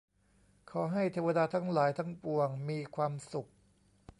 ขอให้เทวดาทั้งหลายทั้งปวงมีความสุข